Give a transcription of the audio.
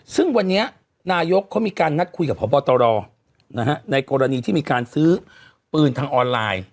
ซึ่งวันนี้นายกเขามีการนัดคุยกับพบตรในกรณีที่มีการซื้อปืนทางออนไลน์